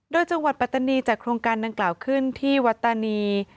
โดยจังหวัดปัตตานีจัดโครงการดังกล่าวขึ้นที่วัตตานี